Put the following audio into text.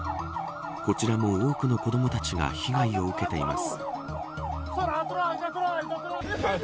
こちらも多くの子どもたちが被害を受けています。